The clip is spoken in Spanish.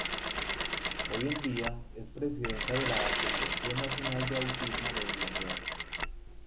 Hoy en día es Presidenta de la Asociación Nacional de Autismo de Inglaterra.